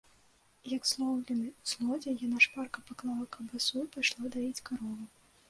Як злоўлены злодзей, яна шпарка паклала каўбасу і пайшла даіць карову.